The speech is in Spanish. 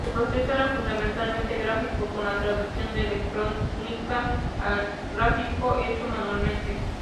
El proceso era fundamentalmente gráfico, con la traducción de electrónica al gráfico hecho manualmente.